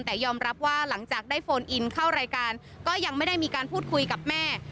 แต่ยอมรับว่าหลังจากได้โฟนอินเข้ารายการก็ยังไม่ได้มีการพูดคุยกับแม่